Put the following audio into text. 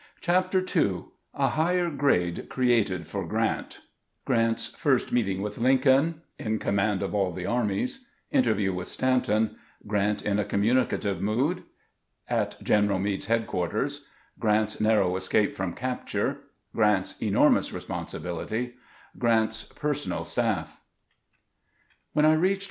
CHAPTER II A HIGHER GRADE CREATED FOR GRANT — GRANT'S FIRST MEETING WITH LINCOLN — IN COMMAND OF ALL THE ARMIES — INTERVIEW WITH STANTON — GRANT IN A COMMUNICATIVE MOOD — AT GENERAL MEADE'S HEAD QUARTERS— grant's narrow ESCAPE PROM CAPTURE — grant's enormous RESPONSIBDLITY — GRANT'S PER SONAL STAFF WHEN I reached.